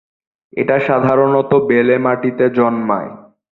এটা সাধারণত বেলে মাটিতে জন্মায়।